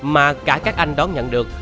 mà cả các anh đón nhận được